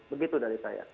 begitu dari saya